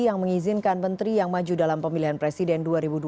yang mengizinkan menteri yang maju dalam pemilihan presiden dua ribu dua puluh